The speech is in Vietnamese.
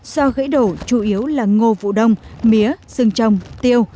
do gãy đổ chủ yếu là ngô vụ đông mía rừng trồng tiêu